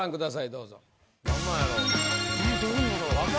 どうぞ。